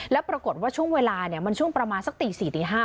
แล้วปรากฏว่าช่วงเวลาเนี่ยมันช่วงประมาณสักตีสี่ตีห้า